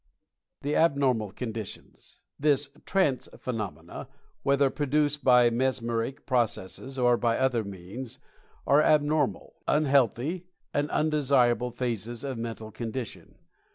THE ABNORMAL CONDITIONS. This "trance" phenomena, whether produced by mesmeric processes or by other means, are abnormal, Dangers of Psychism 149 unhealthy, and undesirable phases of mental condi tion.